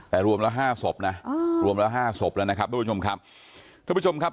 แต่รวมละ๕ศพนะรวมละ๕ศพแล้วนะครับทุกผู้ชมครับ